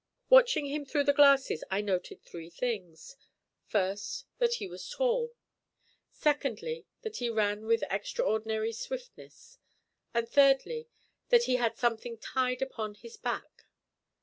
Watching him through the glasses I noted three things: first, that he was tall; secondly, that he ran with extraordinary swiftness; and, thirdly, that he had something tied upon his back.